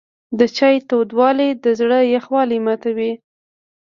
د چای تودوالی د زړه یخوالی ماتوي.